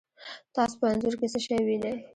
تاسو په انځور کې څه شی وینئ؟